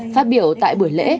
phát biểu tại buổi lễ